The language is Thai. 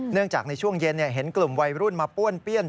จากในช่วงเย็นเห็นกลุ่มวัยรุ่นมาป้วนเปี้ยน